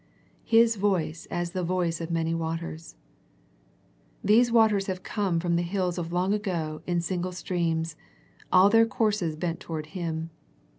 " His voice as the voice of many waters." These waters have come from the hills of long ago in single streams, all their courses bent toward Him.